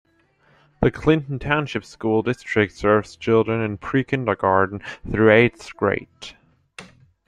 The Clinton Township School District serves children in pre-kindergarten through eighth grade.